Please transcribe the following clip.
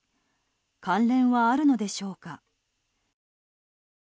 関連はあるのでしょうか。